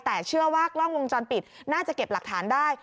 แต่เชื่อว่ากล้องวงจรปิดน่าจะเก็บหลักฐานได้